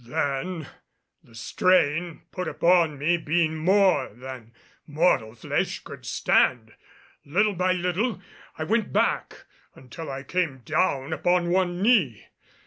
Then, the strain put upon me being more than mortal flesh could stand, little by little I went back until I came down upon one knee.